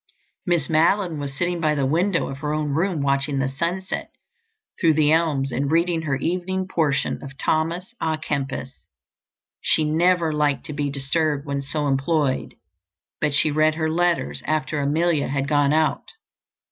Miss Madeline was sitting by the window of her own room watching the sunset through the elms and reading her evening portion of Thomas à Kempis. She never liked to be disturbed when so employed but she read her letter after Amelia had gone out.